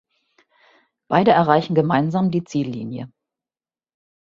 Beide erreichen gemeinsam die Ziellinie.